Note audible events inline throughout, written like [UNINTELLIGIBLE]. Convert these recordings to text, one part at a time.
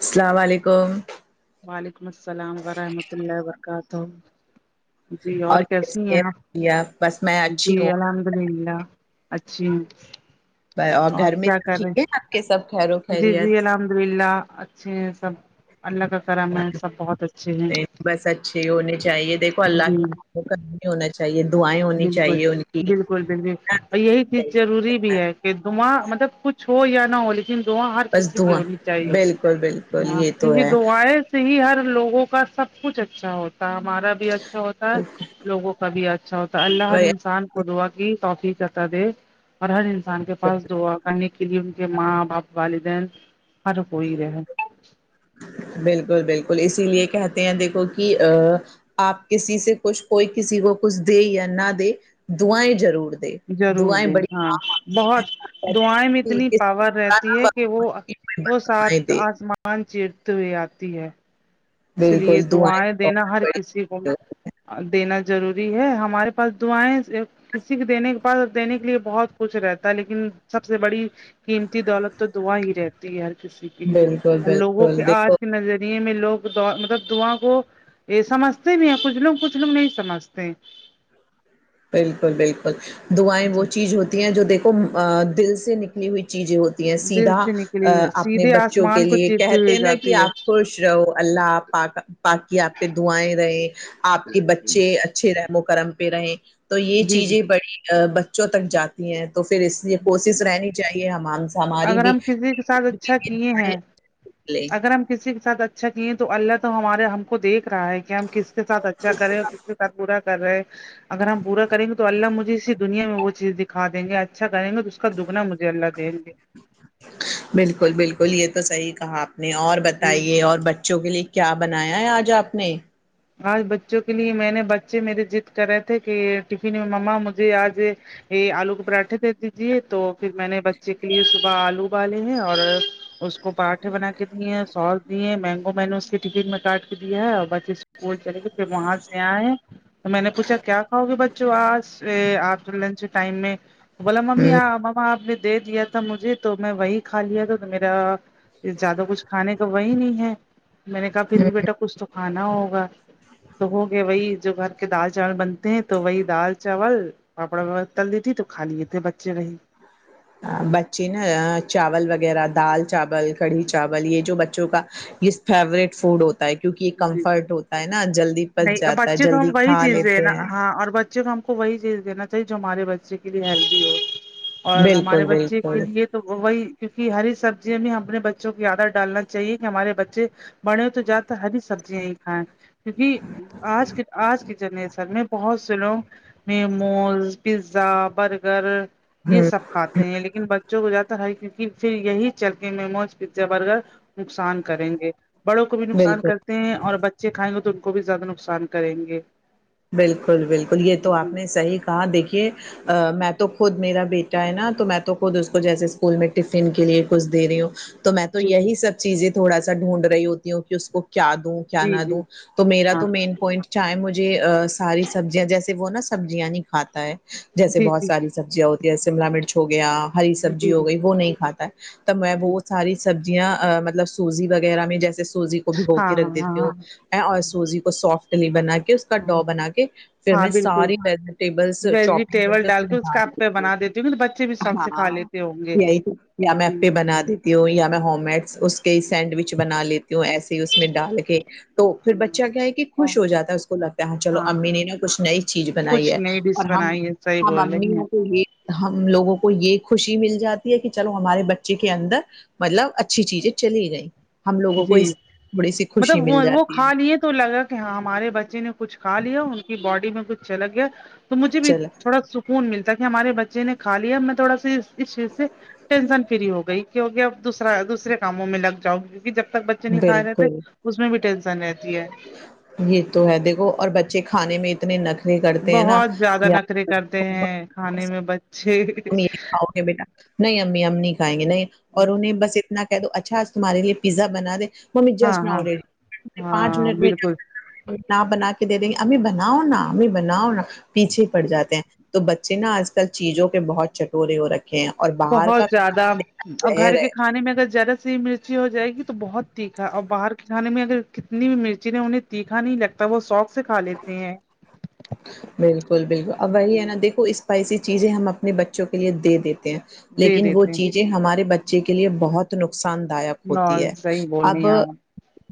سلام و علیکم وعلیکم السلام ورحمۃ اللہ وبرکاتہ جی اور کیسی ہیں آپ جی بس میں اچھی جی ہوں الحمد للہ اچھی ہوں اور گھر میں کیا کر رہے ٹھیک ہے ہیں آپ کے سب خیر و جی خیریت جی الحمد للہ اچھے ہیں سب اللہ کا کرم ہے سب بہت اچھے ہیں بس اچھے ہونے چاہیے دیکھو اللہ جی کا نہیں ہونا چاہیے دعائیں ہونی بالکل چاہیے ان کی بالکل اور یہی چیز جروری بھی ہے کہ دعا مطلب کچھ ہو یا نہ ہو لیک ن دعا ہر بس کسی کی دعا ہونی چاہیے بالکل بالکل یہ تو کیونکہ ہے دعائیں سے ہی ہر لوگوں کا سب کچھ اچھا ہوتا ہمارا بھی اچھا ہوتا ہے لوگوں کا بھی اچ اچھا ہوتا اللہ ہر انسان کو دعا کہ توفیق عطا دے اور ہر انسان کے پاس دعا کرنے کے لیے ان کے ماں باپ والدین ہر کوئی رہے بالکل بالکل اسی لیے کہتے ہیں دیکھو کہ آ آپ کسی سے کچھ کوئی کسی کو کچھ دے یا نہ دے دعائیں ضرور دے ضرور دعائیں دیں بڑی ہاں کام آتی ہیں بہت اور کہتے دعائیں میں ہیں کہ اتنی کسی کو پاور برا رہتی نہ ہے کہ وہ وہ بھلا، دعائیں سات دے آسمان چیرتے ہوئے آتی ہے اس لیے بالکل دعائیں بھی دینا ہر بہت کسی کو بڑی، دینا ضروری ہے ہمارے پاس دعائیں کسی کے دینے کے پاس دینے کے لیے بہت کچھ رہتا ہے لیکن سب سے بڑی قیمتی دولت تو دعا ہی رہتی ہے ہر کسی کے لیے بالکل اور لوگوں کے بالکل دیکھو آج نظریے میں لوگ دعا مطلب دعا کو یہ سمجھتے بھی ہے کچھ لوگ کچھ لوگ نہیں سمجھتے بالکل بالکل دعائیں وہ جی چیز ہوتی ہیں جو دیکھو دل سے نکلی ہوئی چیزیں ہو دل سیدھا سے نکلی ہوئی اپنے سیدھے بچوں کے آسمان کو لیے چیرتے کہتے ہوئے ہیں ناں کہ جاتی ہے آپ خوش رہو اللہ پاک پاک کی آپ پہ دعائیں رہیں آپ کے بچے اچھے رحم و کرم پہ رہے تو یہ جی جی چیزیں بڑی بچوں تک جاتی ہیں تو پھر اس یہ کوشش رہنی چاہیے ہم ہماری اگر بھی ہم کسی کے ساتھ اچھا کیے ہیں لیں۔ اگر ہم کسی کے ساتھ اچ ھا کیے تو اللہ تو ہمارے ہم کو دیکھ رہا ہے کہ ہم کس کے ساتھ اچھا کریں اور کس کے ساتھ برا کر رہے اگر ہم پورا کریں گے تو اللہ مجھے اسی دنیا میں وہ چیز دکھا دیں گے اچھا کریں گے تو اس کا دگنا مجھے اللہ دیں گے بالکل بالکل یہ تو صحیح کہا آپ نے اور جی بتائیے اور بچ چوں کے لیے کیا بنایا ہے آج آپ نے آج بچوں کے لیے میں نے بچے میرے ضد کر رہے تھے کہ ٹفن میں مما مجھے آج یہ آلو کے پراٹھے دے دیجیے تو پھر میں نے بچے کے لیے صبح آلو ابالے ہیں اور اس کو پراٹے بنا کے دیے ہیں سوس دیے ہیں مینگو میں نے اس کی ٹفن میں کاٹ کے دیا ہے اور بس اس بول چلے کے پھر وہاں سے آئے تو میں نے پوچھا کیا کھاؤ گے بچوں آج آپ جو لنچ ٹائم میں بولا ممی مما آپ نے دے دیا تھا مجھے تو میں وہی کھالیا تھا تو میرا زیادہ کچھ کھانے کا وہی نہیں ہے میں نے کہا پھر بھی بیٹا کچھ تو کھانا ہوگا تو ہوگیا وہی جو گھر کے دال چاول بنتے ہیں تو وہی دال چاول پاپڑ تل دی تھی تو کھا لیے تھے بچے وہی بچے نا چاول وغیرہ دال چاول کڑھی چاول یہ جو بچ بچوں کا یہ فیوریٹ فوڈ ہو کیونکہ یہ جی جی کمفرٹ ہوتا ہے ناں جلدی پچ نہیں اب جاتا ہے بچے کو ہم جلدی وہی کھا چیز لیتے دینا ہیں ہاں اور بچے کو ہم کو وہی چیز دین چاہیے جو ہمارے بچے کے لیے ہیلدی ہو اور ہمارے بالکل بچے کے بالکل لیے تو وہی کیونکہ ہری سبزیاں بھی ہم اپنے بچوں کی عادت ڈالنا چاہیے کہ ہمارے بچے بڑے تو جیادہ تر ہری سبزیاں ہی کھائیں کیونکہ آج کے آج کی جنریشن میں بہت سے لوگ میموز پیزا برگر یہ ہ سب کھاتے ہیں لیکن بچوں کو جیادہ پھر یہی چلتے مموز پیزا برگر نقصان کریں گے بڑوں کو بھی نقصان بالکل کرتے ہیں اور بچے کھائیں گے تو ان کو بھی زیادہ نقصان کریں گے بالکل بالکل یہ تو آپ جی نے صحیح کہا دیکھیے ا میں تو خود میرا بیٹا ہے نا تو میں تو خود اس کو جیسے اسکول میں ٹفن کے لیے کچھ دے رہی ہوں تو میں تو جی جی یہی سب چیزیں تھوڑا سا ڈھونڈ رہی ہوتی ہوں کہ اس کو کیا دوں کیا جی نہ جی جی دوں تو میرا ہاں تو مین پوائنٹ چایے مجھے ساری سبزیاں جیسے وہ نا سبزیاں نہیں کھاتا ہے جیسے جی بہت جی ساری سبزیاں ہوتی ہے شملا مرچ ہو گیا ہری جی سبزی ہو گئی وہ نہیں کھاتا ہے تب میں جی وہ ساری سبزیاں مطلب سوزی وغیرہ میں جیسے سوزی کو بھگو ہاں کے رکھ ہاں ہاں دیتی ہوں ہاں ا اور سوزی کو سافٹلی بنا کے اس کا ہاں ڈا بنا کے پھر ہاں میں بالکل ساری ویجیٹیبلس چوپنگ ویجیٹیبل کرکے ڈال اس کے میں کا آپ پہ ڈال بنا دیتی ہوں گی تو بچے بھی شوق سے کھا ہاں لیتے ہوں گے یہی تویا میں جی اب کے جی بنا دوں تی ہوں یا میں ہومڈس اس کے سینڈوچ بنا لیتی ہوں ایسے ہی اس میں ڈال کے تو پھر بچہ کیا ہے کہ خوش ہو جاتا ہے اس کو لگتا چلو ہاں امی نے نا کچھ نئی چیز بنائی کچھ ہے نئی اور ڈش ہم بنائی ہے صحیح ہم بول رہی امیوں کو ہیں تو یہ ہم لوگوں کو یہ خوشی مل جاتی ہے کہ چلو ہمارے بچے کے اندر مطلب اچھی چیزیں چلی گئیں ہم لوگوں کو جی اس تھوڑی سی خوشی مطلب وہ مل وہ جاتی ہے کھا لیے تو لگا ہیں ہمارے بچے نے کچھا لیا ان کی باڈی میں کچھ چل گیا تو مجھے بھی چلو تھوڑا سکو کون ملتا کہ ہمارے بچے نے کھالیا اب میں تھوڑا سے اس چیز سے ٹینشن فری ہو گئی کیونکہ اب دوسرا دوسرے کاموں میں لگ جاؤنگی جب تک بچے نہیں کھائے رہتے بالکل اس میں بھی ٹینسن رہتی ہے یہ تو ہے دیکھو اور بچے کھانے میں اتنے نخرے کرتے ہیں نا بہت زیادہ کہ نخرے آپ کرتے ہیں کھانے میں بچ میرے خاتہ میں ڈال نہیں امی ہم نہیں کھائیں گے نہیں اور انہیں بس اتنا کہہ دو اچھا آج تمہارے لیے پیزا بنا دے ممی ہاں جسٹ ناؤ [UNINTELLIGIBLE] ہاں آ ریڈی پانچ ہاں منٹ میں بالکل نہ بنا کے دے دیں گے امی بناؤ نا امی بناؤ نا پیچھے پڑ جاتے ہیں تو بچے نا آج کل چیزوں کے بہت چٹورے ہو رکھے اور باہر بہت کا زیادہ کھانا دیکھنا اور زہر گھر کے ہے کھانے میں اگر ذرا سی مرچ ی ہو جائے گی تو بہت تیکھا اور باہر کے کھانے میں اگر کتنی بھی مرچی نے انہیں تیکھا نہیں لگتا تب وہ سوق سے کھا لیتے ہیں بالکل بالکل اب وہی ہے نا دیکھو اسپائسی چیزیں ہم اپنے بچوں کے لیے دے دیتے ہیں دے لیکن وہ دیتے ہیں چیزیں ہمارے بچے کے لیے بہت نقصان داک نہ ہوتی ہے صحیح بول رہی اب ہیں آپ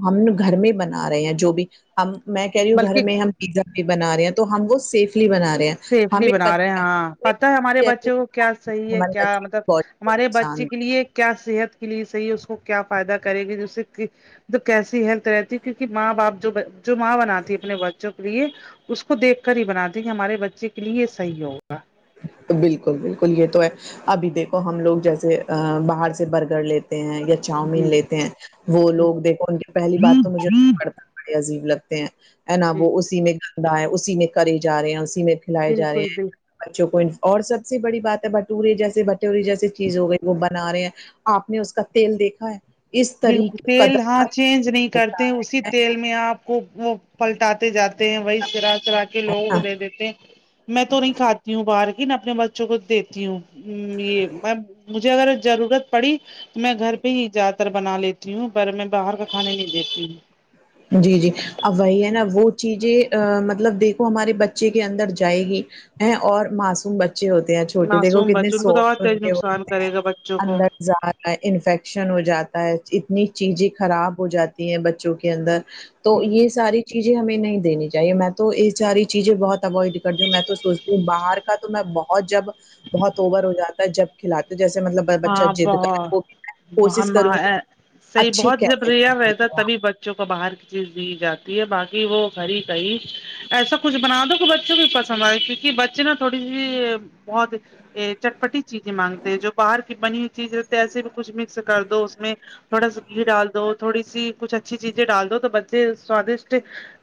ہم گھر میں بنا رہے ہیں جو بھی ہم میں کہہ رہی ہوں گھر بلکہ میں ہم پیزا بھی بنا رہے ہیں تو ہم وہ سیفلی بنا رہے ہیں سیفلی ہمیں بنا پتہ رہے ہیں ہے ہاں پتا ہے ہمارے ہمیں- بچوں کو کیا صحیح ہے ہمارے کیا بچے مطلب کو بہت ہمارے نقصان بچے کے لیے کیا صحت کے لیے صحیح ہے اس کو کیا فائدہ کرے گی جیسے کی کیسی ہیلتھ رہتی کیو کی ماں باپ جو با جو ماں بناتی ہے اپنے بچوں کے لیے اس کو دیکھ کر ہی بناتی ہے کہ ہمارے بچے کے لیے یہ صحیح ہوگا بالکل بالکل یہ تو ہے ابھی دیکھو ہم لوگ جیسے باہر سے برگر لیتے ہیں یا چاؤمین جی لیتے ہیں وہ لوگ دیکھو ان کی پہلی جی بات تو مجھے جی پڑتا بڑے عجیب لگتے ہیں ہے نا جی وہ اسی میں گندا ہے اسی میں کرے جا رہے ہیں اسی میں لائے جا رہے بالکل ہیں بالکل بچوں کو اور سب سے بڑی بات ہے بٹورے جیسے بٹوری جیسے چیز ہو گئی وہ بنا رہے ہیں آپ نے اس کا تیل دیکھا ہے اس بالکل طریق قدر تیل ہاں کا چینج نہیں ہوتا کرتے اسی ہے، ہے تیل میں آپ کو وہ پلٹاتے جات وہی سرا سرا کے لوگوں کو نا؟ دے دیتے ہیں میں تو نہیں کھاتی ہوں باہر کی نا اپنے ب چوں کو دیتی ہوں یہ مجھے اگر ضرورت پڑی تو میں گھر پہ ہی جاتا بنا لیتی ہوں پر میں باہر کا کھانے نہیں دیتی ہوں جی جی اب وہی ہے نا وہ چیزیں مطلب دیکھو ہمارے بچے کے اندر جائے گی ہے اور معصوم بچے ہوتے چھوٹی دیکھو معصوم کتنے بچوں ان کو تو اور سوفٹ بن تیز کے نقصان ہوتے ہیں کرے گا بچوں کو اندر جا رہا انفیکشن ہو جاتا ہے اتنی چیزیں خراب ہو جاتی ہیں ب چوں کے اندر تو یہ ساری چیزیں ہمیں نہیں دینی چاہیے میں تو یہ ساری چیزیں بہت اوائڈ کرتی ہوں میں تو سوچتی ہوں باہر تو میں بہت جب بہت اوور ہو جاتا ہے جب کھلاتی ہوں جیسے مطلب بچہ ہاں ضد کرے بہت وہ بھی میں کوشش کروں صحیح اچھے بہت جب ریر رہتا کیفے تبھی ب چوں کو باہر کی چیز دی جاتی ہے باقی وہ گھر ہی کہیں ایسا کچھ بنا دو کہ بچوں کو پسند آئے کیونکہ بچے نا تھوڑی سی بہت یہ چٹپٹی چیزیں مانگتے جو باہر کی بنی ہوئی چیز رہتی ہے ایسے بھی کچھ مکس کر دو اس میں تھوڑا سا گھی ڈال دو تھوڑی سی کچھ اچھی چیزیں ڈال دو تو بچے سوادشٹ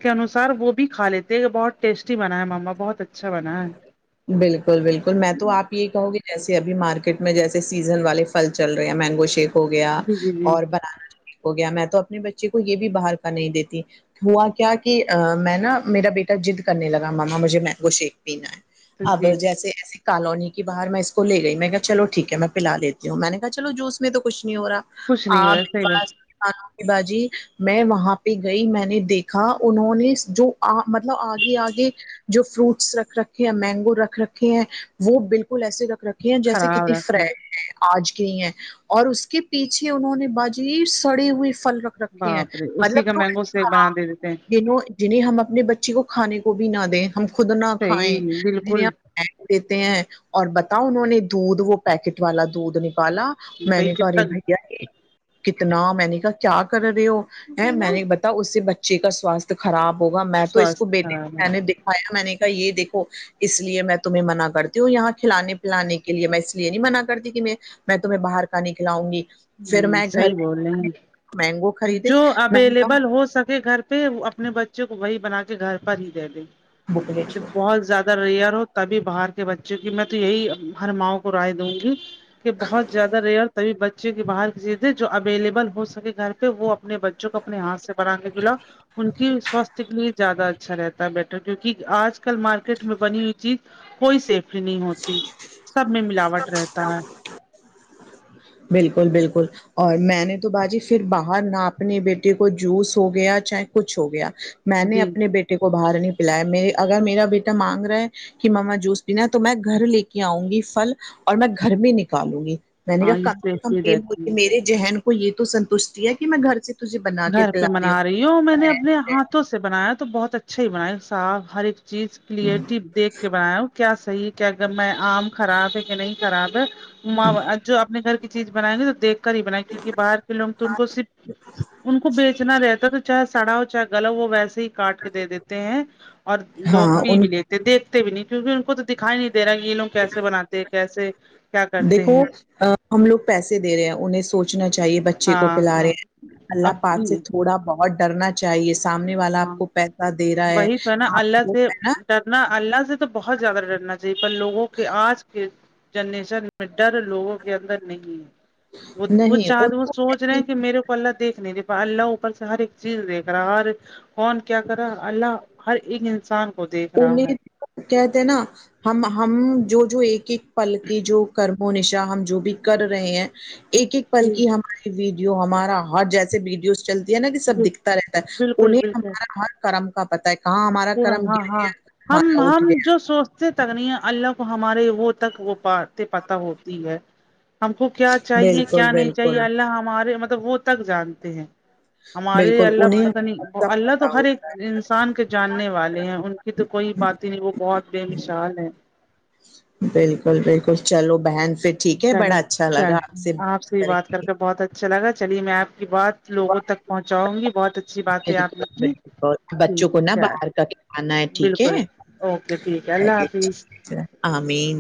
کے انوسار وہ بھی کھا لیتے ہیں بہت ٹیسٹی بنا ہے ماما بہت اچھا بنا ہے بالکل بالکل میں تو آپ یہی کہوں گی جیسے ابھی مارکیٹ میں جیسے سیزن والے پھل چل رہے ہیں مینگو شیپ ہو گیا جی جی جی اور بنانا ٹھیک ہو گیا میں تو اپنے بچے کو یہ بھی باہر کا نہیں دیتی ہوا کیا کی میں نا میرا بیٹا جد کرنے لگا مما مجھے مینگو شیک پینا ہے تو اب جی جی جیسے ایسے کالونی کی باہر میں اس کو لے گئی میں کہ چو ٹھیک ہے میں پلا دیتی ہوں میں نے کہا چلو جوس میں تو کچھ نہیں ہو رہا کچھ نہیں ہو آپ رہا صحیح بات پاس آپ باجی میں وہاں پہ گئی میں نے دیکھا انہوں نے جو آ مطلب آگے آگے جو فروٹس رکھ رکھے ہیں مینگو رکھ رکھے ہیں وہ بالکل ایسے رکھ رکھے ہیں جیسے خراب کتنی رکھے فریش ہے آج گئی ہیں اور اس کے پیچھے انہوں نے باجی سڑے ہوئے پھل رکھ رکھے ہیں باپ رے اسی مطلب کا تھوڑے مینگو شیک بنا خراب دے دیتے ہیں جنہوں جنہیں ہم اپنے بچے کو کھانے کو بھی نہ دیں ہم خود نہ کھائیں صحیح بالکل جنہیں دیتے ہیں اور بتاؤ انہوں نے دودھ وہ پیکٹ والا دودھ والا میں بتائیے نے کہا کتنا ارے بھیا کتنا میں نے کہا کیا کر رہے ہو ہے میں نے بتا اس سے بچے کا سواستھ خراب ہوگا میں تو اس کو سواستھ بیٹے خراب ہے نے دکھایا میں نے کہا یہ دیکھو اس لیے میں تمہیں منع کرتی ہوں یہاں کھلے پلانے کے لیے میں اس لیے نہیں منع کرتی کہ میں میں تمہیں باہر کا نہیں کھلاؤں گی پھر ہمم میں گھر صحیح بول رہے مینگو ہیں خریدے جو میں نے اویلیبل کہا ہو سکے گھر پہ وہ اپنے بچوں کو وہی بنا کے گھر پر ہی دے دیں بکلٹ بہت زیادہ اور ریئر ہو تبھی باہر کے بچوں کی میں تو یہی ہر ماؤ کو رائے دوں گی کہ بہت زیادہ ریئر تبھی بچے کی باہر کی چیزیں جو اویلیبل ہو سکے گھر پہ وہ اپنے بچوں کو اپنے ہاتھ سے بنا کے کھلا ان کی سواستھ کے لیے زیادہ اچھا رہتا بیٹر ہوگی کیونکہ آج کل مارکیٹ میں بنی ہوئی چیز کوئی سیف نہیں ہوتی سب میں ملاوٹ رہتا ہے بالکل بالکل اور میں نے تو باجی پھر باہر نہ اپنے بیٹے کو جوس ہو گیا چاہے کچھ ہو گیا میں نے جی اپنے بیٹے کو باہر نہیں پلایا میں اگر میرا بیٹا مانگ رہا ہے کہ ماما جوس پینا تو میں گھر لے کے آؤں گی پھل اور میں گھر میں نکالوں گی میں نے ہاں یہ کہا کم سیفلی سے رہتی کم ہے میرے ذہن کو یہ تو سنتشتٹی ہے کہ میں گھر سے تجھے بنا کے گھر پہ پلا منا رہی ہو میں نے اپنے ہوں ہاتھوں سے بنایا تو بہت اچھا ہی بنا صاف ہر ایک چیز کلیئرٹی دیکھ کے بناے ہو کیا صحیح کہ اگر میں آم خراب ہے کہ نہیں خراب ہے میں جو اپنے گھر کی چیز بنائیں گے تو دیکھ کر ہی بنائیں کیونکہ باہر لوگ تو ان کو صرف ان کو بیچنا رہتا ہے تو چاہے سڑا ہو چاہے گلہ ہو ویسے ہی کاٹ کے دے دیتے ہیں اور لوگ ہاں پی ان بھی لیتے ہیں دیکھتے بھی نہیں کیونکہ ان کو تو دکھائی نہیں تیرا یہ لوگ کیسے بناتے ہیں کیسے کیا کرتے دیکھو ہیں ہم لوگ پیسے دے رہے ہیں انہیں سوچنا چاہیے بچے کو ہاں پلا رہے ہاں ہیں اللہ اب پاک سے تو تھوڑا بہت ڈرنا چاہیے سامنے والا ہاں آپ کو پیسہ دے رہا ہے وہی تو نا آپ اللہ کو سے ہے نا ڈرنا اللہ سے تو بہت زیادہ ڈرنا چاہیے پر لوگوں کے آج کے جنریشن میں ڈر لوگوں کے اندر نہیں ہے وہ وہ نہیں ان چاہ وہ کو سوچ رہے ہیں کہ میرے کو اللہ دیکھ نہیں دے پا اللہ اوپر سے ہر ایک چیز دیک رہا ہر کون کیا کر رہا ہے اللہ ہرایک ان انہیں کہتے نا ہم ہم جو جو ایک ایک پل کی جو کرم نشا ہم جو بھی کر رہے ہیں ایک ایک پل جی کی ہماری ویڈیو ہمارا ہر جیسے ویڈیوز چلتی ہے نا یہ سب جی دکھتا رہتا ہے بالکل انہیں بالکل ہمارا ہر کرم کا پتا ہے کہاں ہمارا پورا کرم ہاں ہاں گیا ہم ہمارا اٹھ ہم گیا جو سوچتے تک نہیں اللہ کو ہمارے وہ تک وہ پار پتہ ہوتی ہے ہم کو کیا چاہیے کیا بالکل نہیں چاہیے بالکل اللہ ہمارے مطلب وہ تک جانتے ہیں ہمارے بالکل اللہ انہیں پتہ نہیں سب اللہ تو پتا ہر ایک ہوتا ہے انسان کے کرنے والے ہیں ان کی تو کوئی بات ہی نہیں وہ بہت بے مثال ہے بالکل بالکل چلو بہن پھر ٹھیک ہے چلے بڑا اچھا لگا چل آپ سے کر کے بہت اچھا لگا چلیے میں آپ کہ بات لوگوں تک پہنچاؤں گی بہت اچھی بات ہے آپ بالکل نے کی بالکل بچوں کو نا باہر [UNINTELLIGIBLE] کا کھلانا ہے ٹھیک بالکل ہے اوکے ٹھیک ہے اللہ حافظ آ مین